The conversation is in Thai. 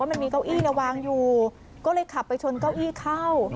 มันมีเก้าอี้วางอยู่ก็เลยขับไปชนเก้าอี้เข้า